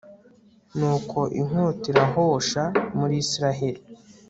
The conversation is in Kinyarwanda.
nuko inkota irahosha muri israheli